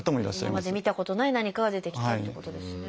今まで見たことない何かが出てきたってことですね。